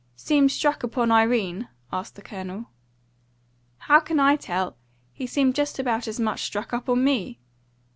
"Seem struck up on Irene?" asked the Colonel. "How can I tell? He seemed just about as much struck up on me.